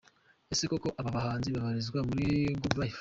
Ese koko aba bahanzi babarizwa muri Good Life?.